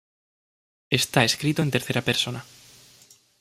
Está escrito en tercera persona.